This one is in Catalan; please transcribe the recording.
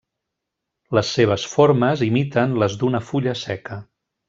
Les seves formes imiten les d'una fulla seca.